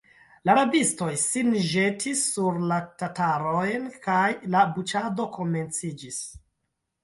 La rabistoj sin ĵetis sur la tatarojn, kaj la buĉado komenciĝis.